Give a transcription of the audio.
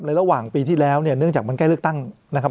ระหว่างปีที่แล้วเนี่ยเนื่องจากมันใกล้เลือกตั้งนะครับ